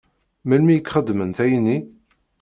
Melmi i k-xedment ayenni?